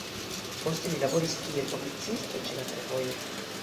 Poste li laboris kiel oficisto ĉe la fervojo.